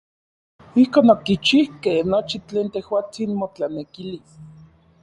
Ijkon okichijkej nochi tlen tejuatsin motlanekilis.